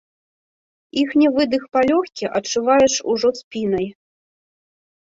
Іхні выдых палёгкі адчуваеш ужо спінай.